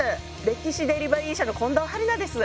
歴史デリバリー社の近藤春菜です。